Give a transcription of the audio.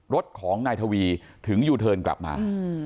รถของนายทวีถึงยูเทิร์นกลับมา